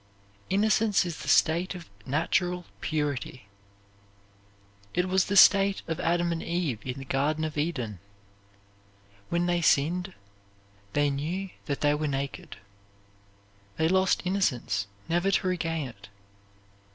Innocence is the state of natural purity. It was the state of Adam and Eve in the Garden of Eden. When they sinned "they knew that they were naked." They lost innocence never to regain it.